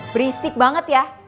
berisik banget ya